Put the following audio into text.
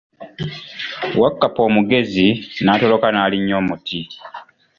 Wakkapa omugezi naatoloka n'alinya omuti.